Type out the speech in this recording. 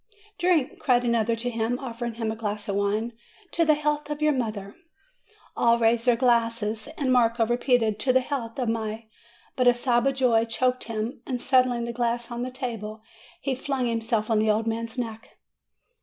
"Drink!" cried another to him, offering him a glass of wine; "to the health of your mother!" All raised their glasses, and Marco repeated, 'To the health of my " but a sob of joy choked him, and, setting the glass on the table, he flung himself on the old man's neck.